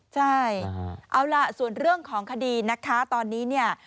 ใช่เอาล่ะส่วนเรื่องของคดีนะคะตอนนี้เนี่ย